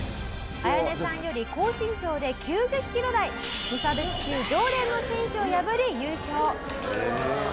アヤネさんより高身長で９０キロ台無差別級常連の選手を破り優勝！